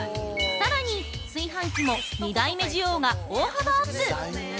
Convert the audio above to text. ◆さらに、炊飯器も２台目需要が大幅アップ！